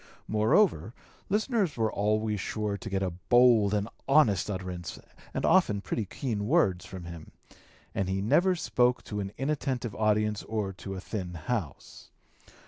Moreover, listeners were always sure to get a bold and an honest utterance and often pretty keen words from him, and he never spoke to an inattentive audience or to a thin house.